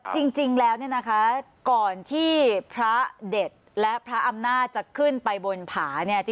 จริงแล้วเนี่ยนะคะก่อนที่พระเด็ดและพระอำนาจจะขึ้นไปบนผาเนี่ย